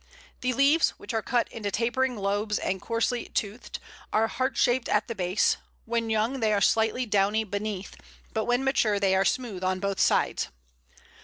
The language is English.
The leaves, which are cut into tapering lobes and coarsely toothed, are heart shaped at the base; when young they are slightly downy beneath, but when mature they are smooth on both sides.